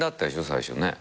最初ね。